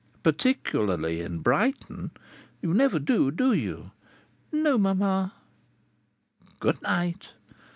"Particularly in Brighton.... You never do, do you?" "No, mamma." "Good night."